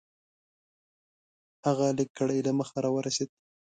هغه لږ ګړی له مخه راورسېد .